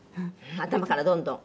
頭からどんどん。